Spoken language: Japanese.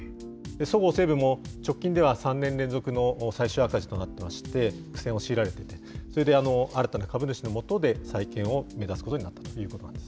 そごう・西武も直近では３年連続の最終赤字となっていまして、苦戦を強いられていて、それで、新たな株主の下で再建を目指すことになっております。